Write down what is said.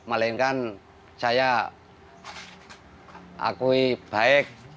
melainkan saya akui baik